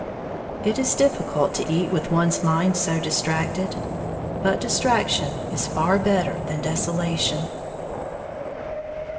It is difficult to eat with one's mind so distracted; but distraction is far better than desolation.